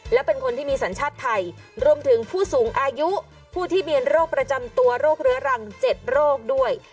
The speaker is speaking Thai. และเป็นคนที่มีสัญชาติไทยรวมถึงผู้สูงอายุผู้ที่มีโรคประจำตัวโรคเรื้อรัง๗โรคด้วย